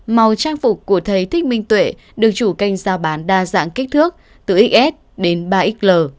màu trang phục của thầy thích minh tuệ được chủ kênh giao bán đa dạng kích thước từ xs đến ba xl